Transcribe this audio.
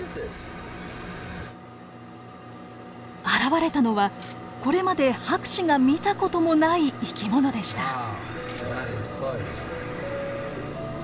現れたのはこれまで博士が見た事もない生き物でした。